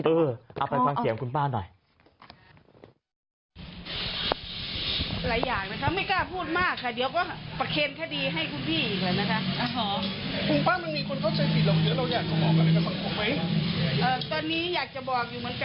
เอาไปฟังเสียงคุณป้าหน่อย